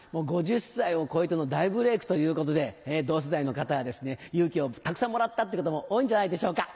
５０歳を超えての大ブレイクということで同世代の方は勇気をたくさんもらったっていう方も多いんじゃないでしょうか。